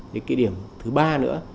đấy cái điểm thứ ba nữa